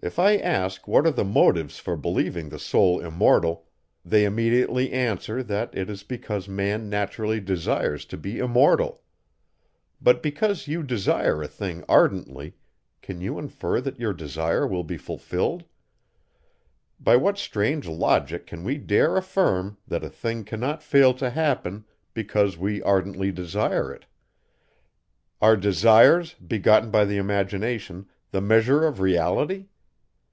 If I ask, what are the motives for believing the soul immortal, they immediately answer, that it is because man naturally desires to be immortal: but, because you desire a thing ardently, can you infer that your desire will be fulfilled? By what strange logic can we dare affirm, that a thing cannot fail to happen, because we ardently desire it? Are desires, begotten by the imagination, the measure of reality?